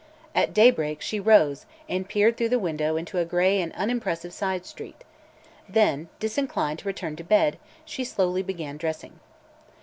At daybreak she rose and peered trough the window into a gray and unimpressive side street; then, disinclined to return to bed, she slowly began dressing.